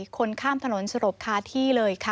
คนข้ามถนนสลบคาที่เลยค่ะ